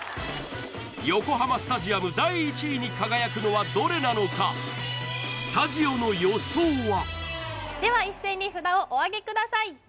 横浜スタジアム第１位に輝くのはどれなのかでは一斉に札をおあげください